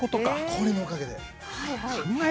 これのおかげで。